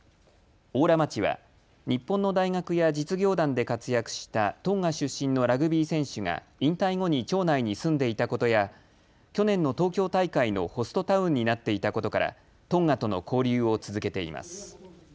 邑楽町は日本の大学や実業団で活躍したトンガ出身のラグビー選手が引退後に町内に住んでいたことや去年の東京大会のホストタウンになっていたことからトンガとの交流を続けています。